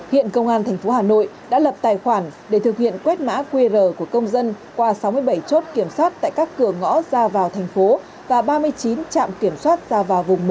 hiện công an tp hà nội đã lập tài khoản để thực hiện quét mã qr của công dân qua sáu mươi bảy chốt kiểm soát tại các cửa ngõ ra vào thành phố và ba mươi chín trạm kiểm soát ra vào vùng một